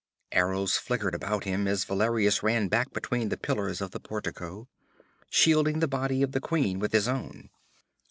Arrows flickered about him as Valerius ran back between the pillars of the portico, shielding the body of the queen with his own.